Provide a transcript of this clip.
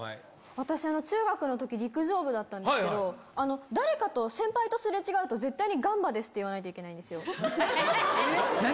私、中学のとき、陸上部だったんですけど、誰かと、先輩とすれ違うと、絶対にガンバですって言わないといけないんで何？